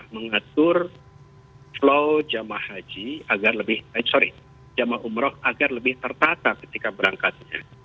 mengatur flow jama' haji agar lebih tertata ketika berangkatnya